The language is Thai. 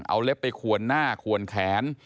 เอาเล็บไปขวนหน้าขวนแขน